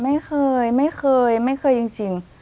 ไม่เคยค่ะไม่เคยไม่เคยไม่เคยจริง